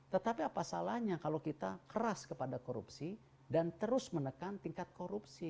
tetapi apa salahnya kalau kita keras kepada korupsi dan terus menekan tingkat korupsi